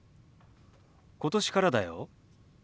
今年からだよ。